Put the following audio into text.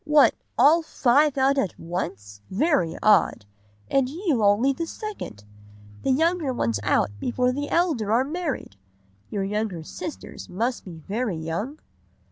What, all five out at once? Very odd! And you only the second. The younger ones out before the elder are married! Your younger sisters must be very young?